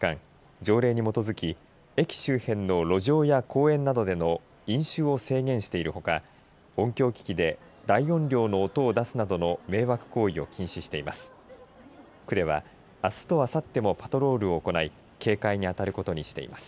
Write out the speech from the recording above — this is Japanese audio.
条例に基づき駅周辺の路上や公園などでの飲酒を制限しているほか音響機器で大音量の音を出すなどの迷惑行為を禁止しています。